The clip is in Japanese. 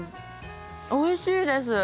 おいしいです！